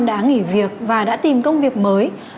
đã nghỉ việc và đã tìm công việc mới